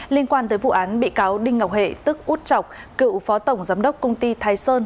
liên quan tới vụ án bị cáo đinh ngọc hệ tức út chọc cựu phó tổng giám đốc công ty thái sơn